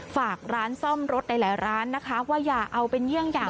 ฝากร้านซ่อมรถหลายร้านนะคะว่าอย่าเอาเป็นเยี่ยงอย่าง